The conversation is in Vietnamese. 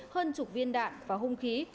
hơn chục viên đạn và hung khí